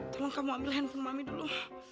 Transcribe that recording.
tolong kamu ambil handphone mami dulu